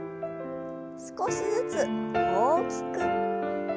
少しずつ大きく。